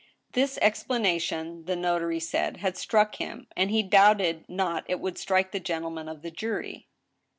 This explanation the notary said had struck him, and he doubted not it would strike the gentlemen of the jury.